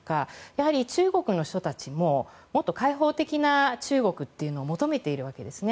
やはり中国の人たちももっと開放的な中国というのを求めているわけですね。